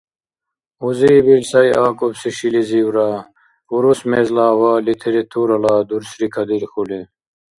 Узиб ил сай акӀубси шилизивра, урус мезла ва литературала дурсри кадирхьули.